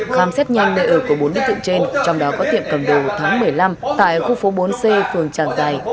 khám xét nhanh nơi ở của bốn đối tượng trên trong đó có tiệm cầm đồ thắng một mươi năm tại khu phố bốn c phường tràng giài